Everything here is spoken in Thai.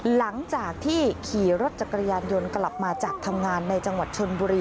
หลังจากที่ขี่รถจักรยานยนต์กลับมาจากทำงานในจังหวัดชนบุรี